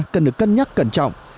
cần được cân nhắc cẩn trọng